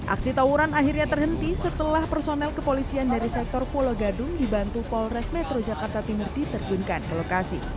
aksi tawuran akhirnya terhenti setelah personel kepolisian dari sektor pulau gadung dibantu polres metro jakarta timur diterjunkan ke lokasi